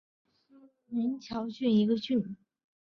宁桥郡是越南湄公河三角洲芹苴市中心的一个郡。